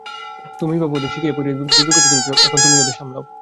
তুমিই বাপু, ওদের শিখিয়ে পড়িয়ে বিবি করে তুলেছ, এখন তুমিই ওদের সামলাও।